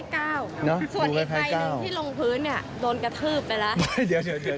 แต่หนูว่าเลข๙ส่วนอีกใครหนึ่งที่ลงพื้นเนี่ยโดนกระทืบไปแล้ว